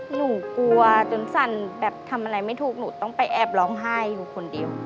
หนูกลัวจนสั่นแบบทำอะไรไม่ถูกหนูต้องไปแอบร้องไห้อยู่คนเดียว